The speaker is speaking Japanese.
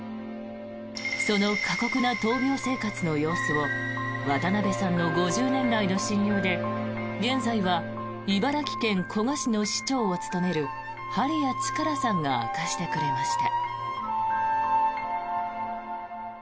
その過酷な闘病生活の様子を渡辺さんの５０年来の親友で現在は茨城県古河市の市長を務める針谷力さんが明かしてくれました。